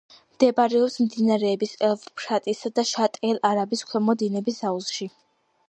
მდებარეობს მდინარეების ევფრატისა და შატ-ელ-არაბის ქვემო დინების აუზში.